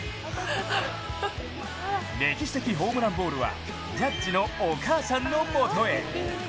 歴史的ホームランボールはジャッジのお母さんのもとへ。